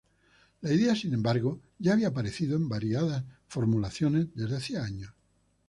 La idea sin embargo ya había aparecido en variadas formulaciones desde hacía años.